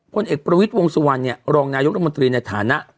เอกประวิทย์วงสุวรรณเนี่ยรองนายกรมนตรีในฐานะ